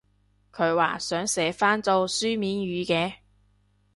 佢話想寫返做書面語嘅？